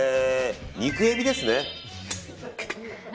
肉エビですね。